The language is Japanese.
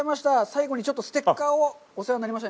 最後にちょっと、ステッカーを、皆さん分。